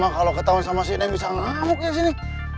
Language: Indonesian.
wah ya emang kalau ketawa sama si neng bisa ngamuk ya sini